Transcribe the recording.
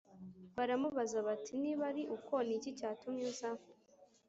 Baramubaza bati Niba ari uko ni iki cyatumye uza